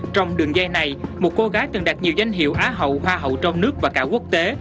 trong đường dây này một cô gái từng đặt nhiều danh hiệu á hậu hoa hậu trong nước và cả quốc tế